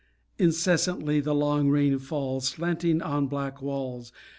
Incessantly the long rain falls, Slanting on black walls.